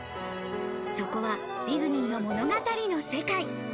そこはディズニーの物語の世界。